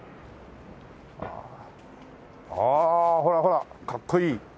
ああほらほらかっこいい。